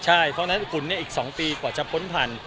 ใช่เพราะฉะนั้นขุนนี่อีกสองปีกว่าจะป้นผ่าน